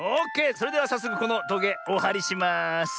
それではさっそくこのトゲおはりします。